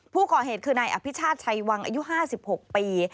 ผู้ก่อเหตุคือนายอภิชาติชัยวังอายุ๕๖ปี